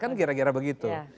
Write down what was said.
kan kira kira begitu